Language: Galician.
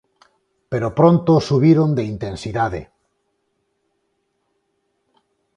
Pero pronto subiron de intensidade.